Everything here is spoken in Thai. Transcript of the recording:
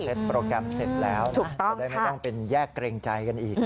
เสร็จโปรแกรมเสร็จแล้วถูกต้องจะได้ไม่ต้องเป็นแยกเกรงใจกันอีกนะ